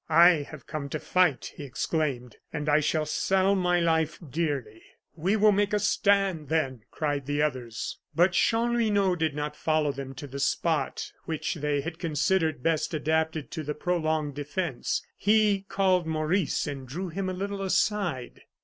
"I have come to fight," he exclaimed, "and I shall sell my life dearly." "We will make a stand then!" cried the others. But Chanlouineau did not follow them to the spot which they had considered best adapted to the prolonged defence; he called Maurice and drew him a little aside.